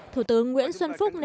thủ tướng nguyễn xuân phúc